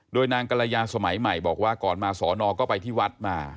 โดยนางกรยาสมัยใหม่บอกว่าก่อนมาสอนอก็ไปที่วัดมา